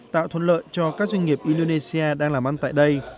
tạo thuận lợi cho các doanh nghiệp indonesia đang làm ăn tại đây